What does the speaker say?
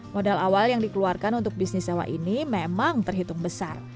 modal awal yang dikeluarkan untuk bisnis sewa ini memang terhitung besar